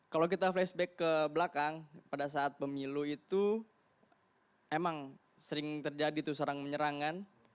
kalau kita flashback ke belakang pada saat pemilu itu emang sering terjadi tuh serang menyerangan